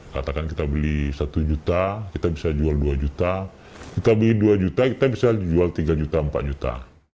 katakan kita beli satu juta kita bisa jual dua juta kita beli dua juta kita bisa jual tiga juta empat juta